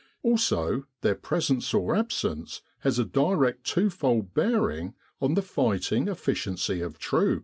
Also their presence or absence has a direct twofold bearing on the fighting efficiency of troops.